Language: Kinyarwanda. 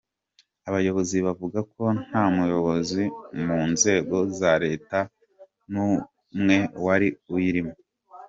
Abayobozi bavuga ko nta muyobozi mu nzego za Leta n’umwe wari uyirimo.